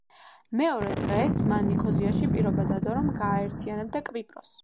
მეორე დღეს მან ნიქოზიაში პირობა დადო, რომ გააერთიანებდა კვიპროსს.